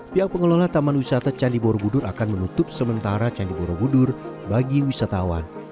pihak pengelola taman wisata candi borobudur akan menutup sementara candi borobudur bagi wisatawan